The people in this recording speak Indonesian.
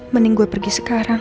mending gue pergi sekarang